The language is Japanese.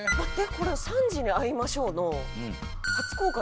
これ『３時にあいましょう』の「初公開！